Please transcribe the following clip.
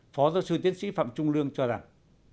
phó giáo sư tiến sĩ phạm trung lương cho rằng